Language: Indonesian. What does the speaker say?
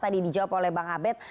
tadi dijawab oleh bang abed